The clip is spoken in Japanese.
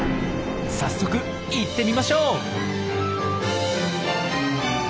早速行ってみましょう。